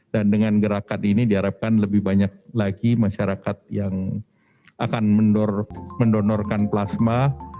dan dengan gerakan ini diharapkan lebih banyak lagi masyarakat yang akan mendonorkan plasma